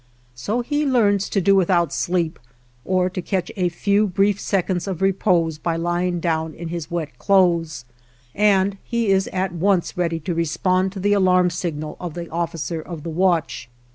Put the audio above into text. So he learns to do without sleep, or to catch a few brief seconds of repose by lying down in his wet clothes, and he is at once ready to respond to the alarm signal of the officer of the watch.